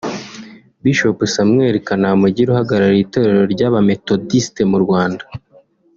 Bishop Samuel Kanamugire uhagarariye itorero ry’abamethodiste mu Rwanda